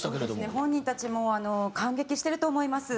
本人たちもあの感激してると思います。